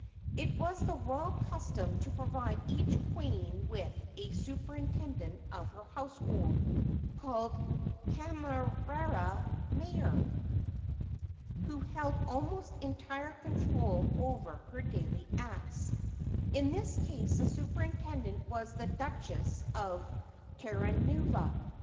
It was the royal custom to provide each queen with a superintendent of her household, called earner ar a mayor, 530 THE QUEEN AND HER SUPERINTENDENT who held almost entire control over her daily acts. In this case the superintendent was the Duchess of Ter ranueva.